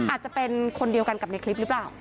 อาจจะเป็นคนเดียวกันกับในคลิปหรือเปล่า